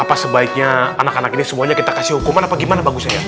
apa sebaiknya anak anak ini semuanya kita kasih hukuman apa gimana bagusnya ya